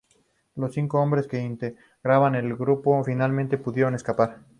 Los cinco hombres que integraban el otro grupo finalmente pudieron escapar.